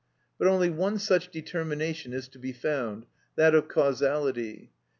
But only one such determination is to be found—that of causality.